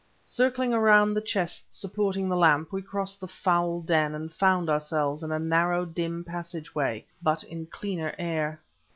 Circling around the chest supporting the lamp we crossed the foul den and found ourselves in a narrow, dim passage way, but in cleaner air.